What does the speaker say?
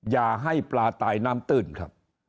อย่าให้ปลาตายน้ำตื้นครับ